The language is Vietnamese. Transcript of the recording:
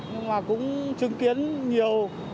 nhưng mà cũng chứng kiến nhiều